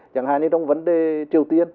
chẳng hạn như trong vấn đề triều tiên